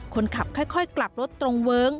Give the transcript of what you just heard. คนขับค่อยกลับรถตรงเวิ้ง